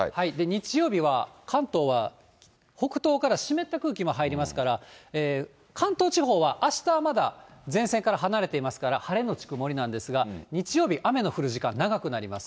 日曜日は関東は北東から湿った空気も入りますから、関東地方はあしたはまだ前線から離れていますから、晴れ後曇りなんですが、日曜日、雨の降る時間、長くなります。